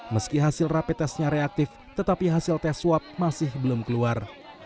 meski hasil rapid testnya reaktif tetapi hasil tes swab masih belum keluar